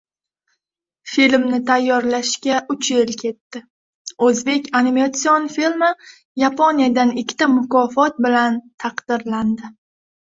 “Filmni tayyorlashga uch yil ketdi”. O‘zbek animatsion filmi Yaponiyadan ikkita mukofot bilan taqdirlandi